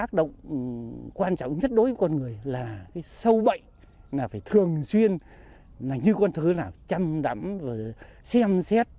chăm đắm xem xét